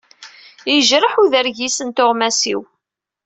Yejreḥ udergis n tuɣmas-iw.